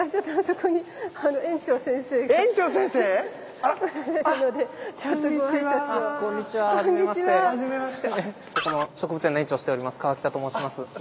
ここの植物園の園長をしております川北と申します。